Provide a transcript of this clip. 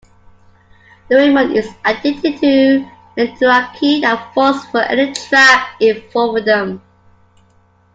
Doraemon is addicted to dorayaki and falls for any trap involving them.